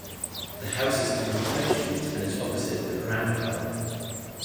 The house is on the High Street and is opposite The Crown pub.